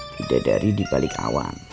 tidak dari di balik awan